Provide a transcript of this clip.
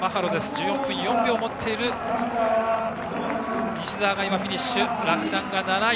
１４分４秒を持っている西澤がフィニッシュして洛南が７位。